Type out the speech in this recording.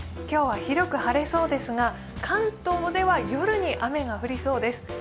今日は広く晴れそうですが関東では夜に雨が降りそうです。